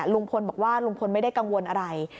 ลุงพลบอกว่าลุงพลไม่ได้กังวลอะไร